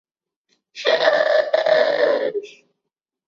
খেলা সুষ্ঠুভাবে পরিচালনার জন্য বেশ কিছু নিয়ম রেফারী প্রতিপালন করেন।